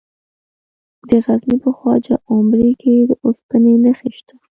د غزني په خواجه عمري کې د اوسپنې نښې شته.